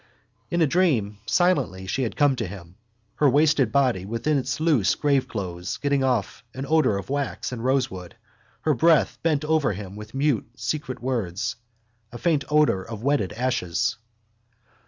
In a dream, silently, she had come to him, her wasted body within its loose graveclothes giving off an odour of wax and rosewood, her breath, bent over him with mute secret words, a faint odour of wetted ashes.